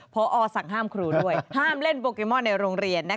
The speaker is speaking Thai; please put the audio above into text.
พอสั่งห้ามครูด้วยห้ามเล่นโปเกมอนในโรงเรียน